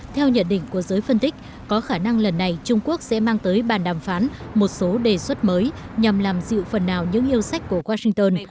theo nhận định của giới phân tích có khả năng lần này trung quốc sẽ mang tới bàn đàm phán một số đề xuất mới nhằm làm dịu phần nào những yêu sách của washington